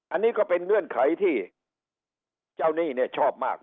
อันนี้ก็เป็นเงื่อนไขที่เจ้าหนี้เนี่ยชอบมาก